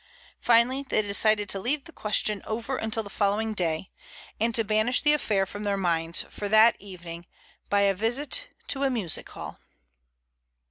Finally they decided to leave the question over until the following day, and to banish the affair from their minds for that evening by a visit to a music hall.